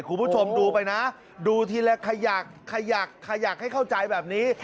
คุณผู้ชมดูไปนะดูทีละใครอยากให้เข้าใจแบบนี้